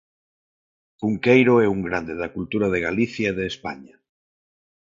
Cunqueiro é un grande da cultura de Galicia e de España.